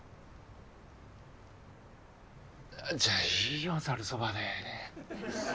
じゃあいいよざるそばで。